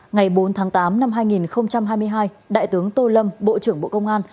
ngày bốn tháng tám năm hai nghìn hai mươi hai đại tướng tô lâm bộ trưởng bộ công an